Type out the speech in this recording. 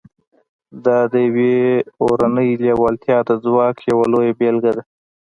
دا د يوې اورنۍ لېوالتیا د ځواک يوه لويه بېلګه ده.